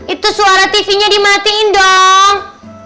itu suara tv nya dimatiin dong